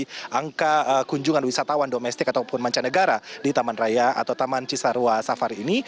jadi angka kunjungan wisatawan domestik ataupun mancanegara di taman raya atau taman cisarua safari ini